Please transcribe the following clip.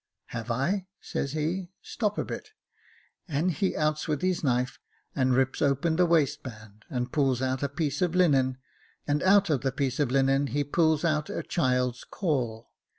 * Have I ?' says he ;' stop a bit ;' and he outs with his knife, and rips open the waistband, and pulls out a piece of linen, and out of the piece of linen he pulls out a child's caul.